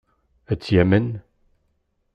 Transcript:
Ad tt-yamen?